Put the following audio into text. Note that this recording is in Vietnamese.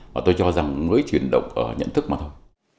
và tôi cho rằng mới chuyển động ở nhận thức mà thôi